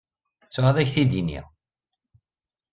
Ttuɣ ad ak-t-id-iniɣ.